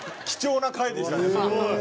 貴重な回でしたね。